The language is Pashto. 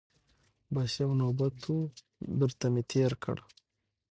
بس یو نوبت وو درته مي تېر کړ